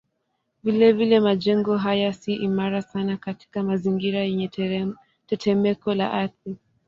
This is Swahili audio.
Vilevile majengo haya si imara sana katika mazingira yenye tetemeko la ardhi.